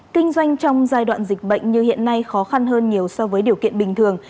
kinh doanh trong giai đoạn dịch bệnh như hiện nay khó khăn hơn nhiều so với điều kiện bình thường